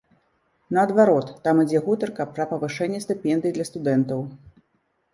Наадварот, там ідзе гутарка пра павышэнне стыпендый для студэнтаў.